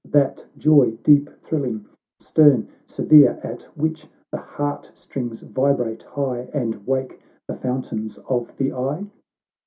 That joy, deep thrilling, stern, severe, At which the heart strings vibrate high, And wake the fountains of the eye